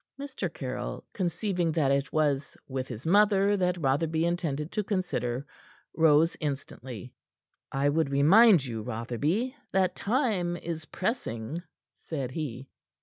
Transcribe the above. Mr. Caryll, conceiving that it was with his mother that Rotherby intended to consider, rose instantly. "I would remind you, Rotherby, that time is pressing," said he.